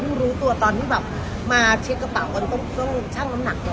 เพิ่งรู้ตัวตอนที่แบบมาเช็กกระเป๋าก็ต้องกดช่างน้ำหนักเนอะ